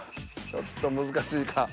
ちょっと難しいか。